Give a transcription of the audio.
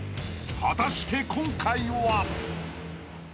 ［果たして今回は？］